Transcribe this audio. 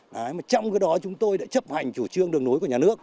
đấy mà trong cái đó chúng tôi đã chấp hành chủ trương đường nối của nhà nước